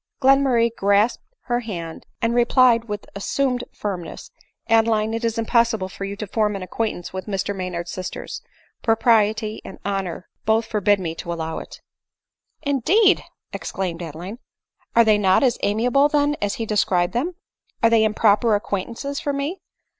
Glenmurray grasped her hand, and replied with assum ed firmness; " Adeline, it is impossible for you to form an acquaintance with Mr Maynard's sisters ; propriety and honor both forbid me to allow it." *t»» w^> ADELINE MOWBRAY. 88 " Indeed !" exclaimed Adeline, u are they not as amiable, then, as he described them ? are they improper acquaintances for me